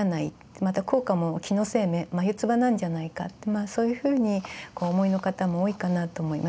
また効果も気のせい眉唾なんじゃないかってそういうふうにお思いの方も多いかなと思います。